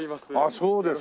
そうです。